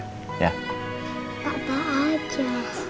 tak apa aja